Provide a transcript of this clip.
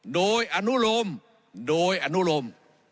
โดยอนุโลมโดยอนุโลม